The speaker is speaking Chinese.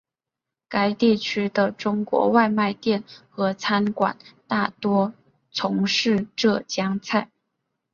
该地区的中国外卖店和餐馆大多从事浙江菜。